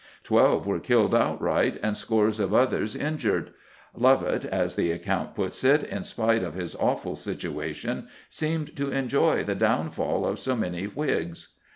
Twelve were killed outright and scores of others injured. "Lovat," as the account puts it, "in spite of his awful situation, seemed to enjoy the downfall of so many Whigs."